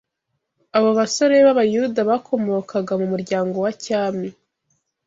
Abo basore b’Abayuda bakomokaga mu muryango wa cyami